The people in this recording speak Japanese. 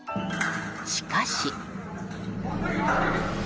しかし。